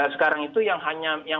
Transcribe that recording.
sekarang itu yang hanya